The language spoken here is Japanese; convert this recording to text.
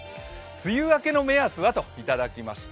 梅雨明けの目安はといただきました。